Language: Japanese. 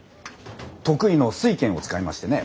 得意の酔拳を使いましてね。